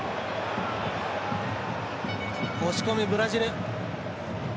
押し込むブラジル。